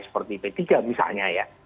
seperti p tiga misalnya ya